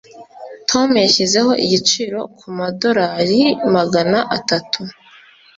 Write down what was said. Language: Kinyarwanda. Tom yashyizeho igiciro kumadorari magana atatu.